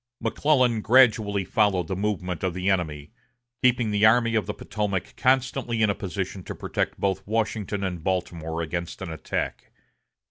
McClellan gradually followed the movement of the enemy, keeping the Army of the Potomac constantly in a position to protect both Washington and Baltimore against an attack.